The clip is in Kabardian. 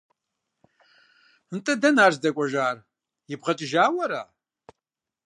НтӀэ, дэнэ ар здэкӀуэжар, ибгъэкӀыжауэ ара?